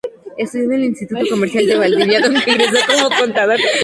Estudió en el Instituto Comercial de Valdivia, donde egresó como Contador.